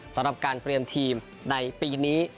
สำหรับการเตรียมทีมในปีนี้